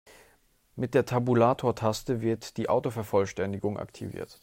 Mit der Tabulatortaste wird die Autovervollständigung aktiviert.